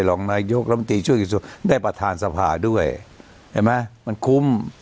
หลังมายกลับละมึติช่วยกิจกระทรวงได้ประธานทรรภาพด้วยเห็นไหมมันคุ้ม